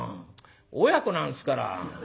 親子なんですから」。